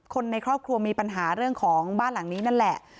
คนในครอบครัวมีปัญหาเรื่องของบ้านหลังนี้นั่นแหละ